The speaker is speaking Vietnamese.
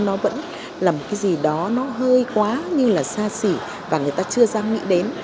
nó vẫn làm cái gì đó nó hơi quá như là xa xỉ và người ta chưa dám nghĩ đến